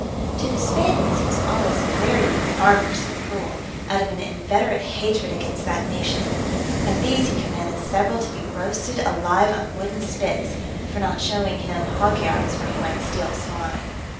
To the Spaniards he was always very barbarous and cruel, out of an inveterate hatred against that nation. Of these he commanded several to be roasted alive on wooden spits, for not showing him hog yards where he might steal swine.